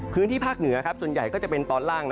พื้นที่ภาคเหนือส่วนใหญ่ก็จะเป็นตอนล่าง